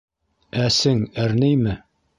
Әсең әрнейме?